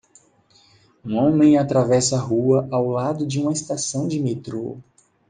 Um homem atravessa a rua ao lado de uma estação de metrô.